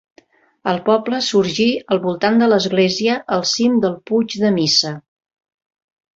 El poble sorgí al voltant de l'església al cim del Puig de Missa.